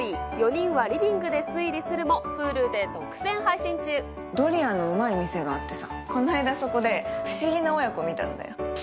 ４人はリビングで推理するも、ドリアのうまい店があってさ、この間、そこで不思議な親子見たんだよ。